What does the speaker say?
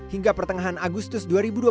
hingga pertengahan agustus dua ribu dua puluh